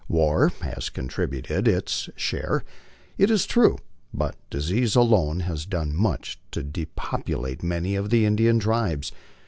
War has contributed its share, it is true, but disease alone has done much to depopulate many of the In dian tribes.